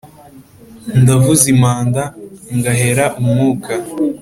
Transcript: ndavuza impanda ngahera umwuka